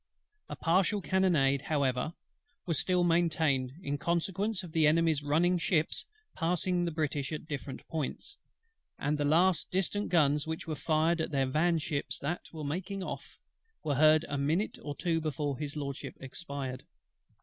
A partial cannonade, however, was still maintained, in consequence of the Enemy's running ships passing the British at different points; and the last distant guns which were fired at their van ships that were making off, were heard a minute or two before His LORDSHIP expired.